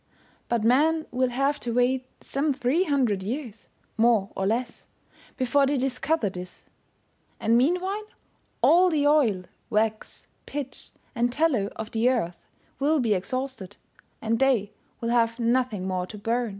But men will have to wait some three hundred years, more or less, before they discover this ; and meanwhile, all the oil, wax, pitch, and tallow of the earth will be exhausted, and they will have nothing more to burn.